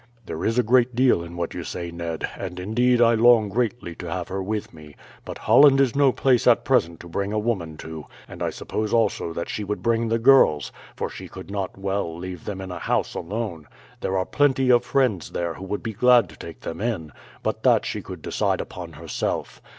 "There is a great deal in what you say, Ned, and, indeed, I long greatly to have her with me; but Holland is no place at present to bring a woman to, and I suppose also that she would bring the girls, for she could not well leave them in a house alone. There are plenty of friends there who would be glad to take them in; but that she could decide upon herself.